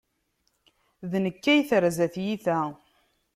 D nekk ay terza tyita.